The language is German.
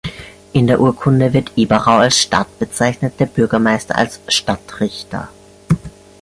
In der Urkunde wird Eberau als Stadt bezeichnet, der Bürgermeister als Stadtrichter.